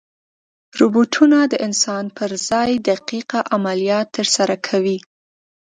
روبوټونه د انسان پر ځای دقیق عملیات ترسره کوي.